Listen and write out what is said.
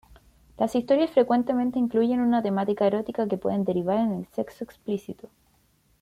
Las historias frecuentemente incluyen una temática erótica que puede derivar en el sexo explícito.